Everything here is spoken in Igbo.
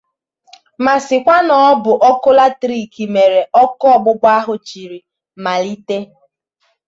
ma sịkwa na ọ bụ ọkụ latiriiki mere ọkụ ọgbụgba ahụ jiri màlite